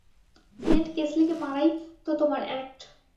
Fred কেসলিকে মারাই তো তোমার অ্যাক্ট।